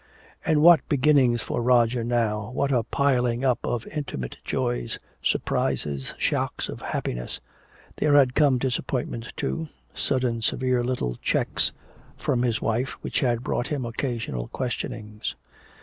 And what beginnings for Roger now, what a piling up of intimate joys, surprises, shocks of happiness. There had come disappointments, too, sudden severe little checks from his wife which had brought him occasional questionings.